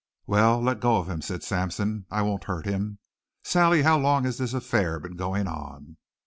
"Well, let go of him," said Sampson. "I won't hurt him. Sally, how long has this affair been going on?"